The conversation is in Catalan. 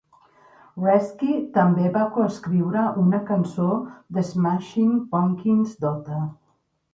Wretzky també va coescriure una cançó de Smashing Pumpkins, "Daughter".